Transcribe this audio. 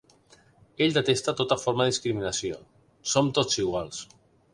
Ell detesta tota forma de discriminació: som tots iguals.